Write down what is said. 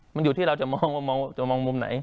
มันอยู่ที่เราจะมองมุมไหน